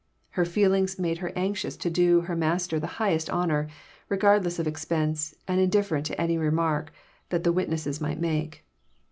Her feelings made her anxious to do her Master the highest honour, regardless of expense, and indifferent to any remark that wit nesses might make.